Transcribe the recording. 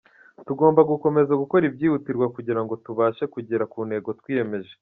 Tugomba gukomeza gukora ibyihutirwa kugira ngo tubashe kugera ku ntego twiyemeje.